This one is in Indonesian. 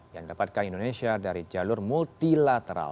yang didapatkan indonesia dari jalur multilateral